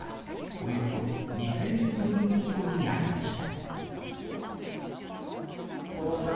およそ２０００人という規模になりました。